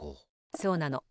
そうなの。